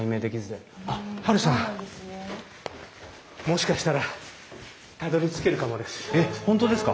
もしかしたらたどりつけるかもです。